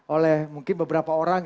oleh mungkin beberapa orang